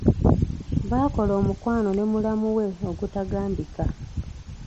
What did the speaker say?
Baakola omukwano ne mulamu we ogutagambika.